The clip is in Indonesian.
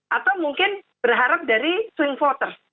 atau mungkin berharap dari swing voters